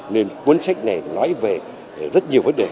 nên cuốn sách này nói về rất nhiều vấn đề